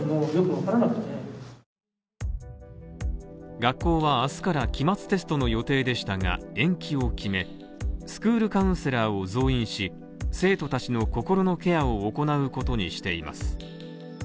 学校は明日から期末テストの予定でしたが延期を決め、スクールカウンセラーを増員し、生徒たちの心のケアを行うことにしています。